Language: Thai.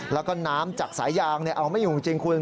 แล้วก็น้ำจากสายยางเอาไม่อยู่จริงคุณ